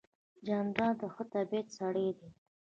جانداد د ښه طبیعت سړی دی.